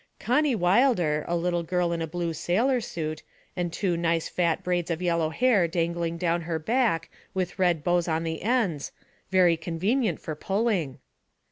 'Connie Wilder, a little girl in a blue sailor suit, and two nice fat braids of yellow hair dangling down her back with red bows on the ends very convenient for pulling.'